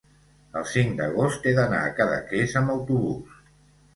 el cinc d'agost he d'anar a Cadaqués amb autobús.